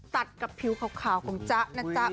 ตัดกับผิวขาวของจ๊ะนะจ๊ะ